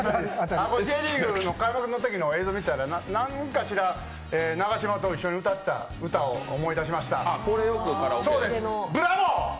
Ｊリーグの開幕のときの映像を見ていたら永島と一緒に歌った歌を思い出しました。